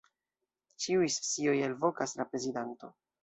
Ĉiuj sesioj alvokas la prezidanto.